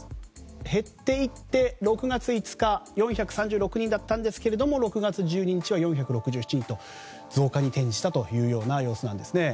減っていって、６月５日４３６人だったんですけれども６月１２日は４６７人と増加に転じたというような様子なんですね。